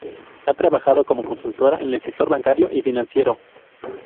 Ha trabajado como consultora en el sector bancario y financiero.